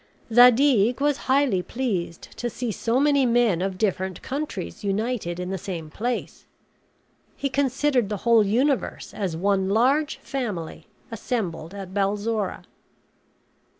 Zadig was highly pleased to see so many men of different countries united in the same place. He considered the whole universe as one large family assembled at Balzora.